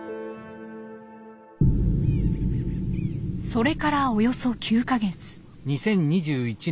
それからおよそ９か月。